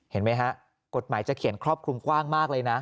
เห็นไหมฮะกฎหมายจะเขียนครอบคลุมกว้างมากเลยนะ